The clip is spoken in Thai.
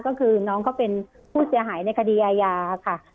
ก็คือน้องเขาเป็นผู้เสียหายในคดีอาญาค่ะ